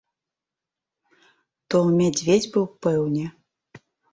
То мядзведзь быў, пэўне.